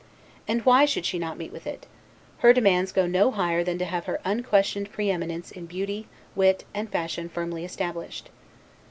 And why should she not meet with it? Her demands go no higher than to have her unquestioned preeminence in beauty, wit, and fashion, firmly established.